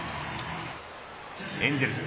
エンゼルス